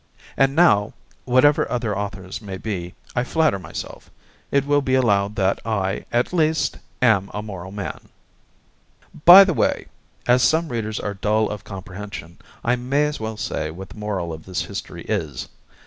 And now, whatever other authors may be, I flatter myself, it will be allowed that I, at least, am a moral man. By the way, as some readers are dull of comprehension, I may as well say what the moral of this history is.